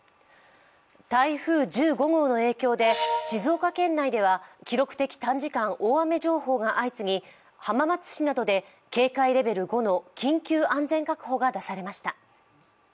台風１５号の影響で静岡県内では記録的短時間大雨情報が相次ぎ浜松市などで警戒レベル５の緊急安全確保が出されました。